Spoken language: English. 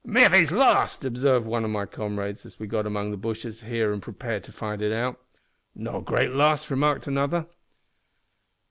"`Miffy's lost!' obsarved one o' my comrades as we got in among the bushes here an' prepared to fight it out. "`No great loss,' remarked another.